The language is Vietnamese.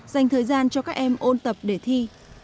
dành thời gian cho các em ôn tập để thi